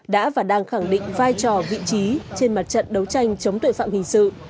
đã và đang khẳng định vai trò vị trí trên mặt trận đấu tranh chống tội phạm hình sự